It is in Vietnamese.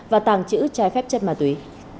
và tàng chữ trái phép chất ma túy